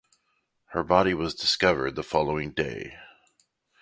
Her body was discovered the following day.